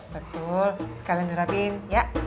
betul sekalian gerapin ya